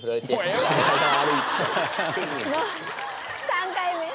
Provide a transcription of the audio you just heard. ３回目！